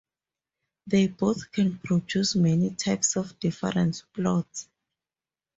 They both can produce many types of different plots.